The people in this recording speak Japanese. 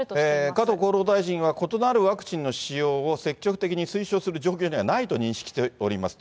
加藤厚労大臣は異なるワクチンの使用を積極的に推奨する状況にはないと認識しておりますと。